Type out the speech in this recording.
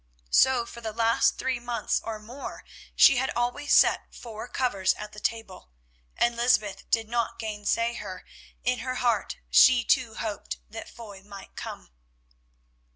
So for the last three months or more she had always set four covers at the table, and Lysbeth did not gainsay her. In her heart she too hoped that Foy might come.